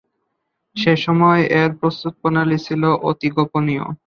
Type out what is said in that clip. সেসময় এর প্রস্তুত প্রণালী ছিল অতি গোপনীয়।